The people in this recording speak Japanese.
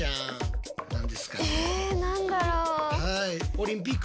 何だろう？